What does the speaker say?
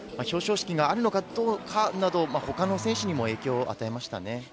表彰式があるのかどうかなど、ほかの選手にも影響を与えましたね。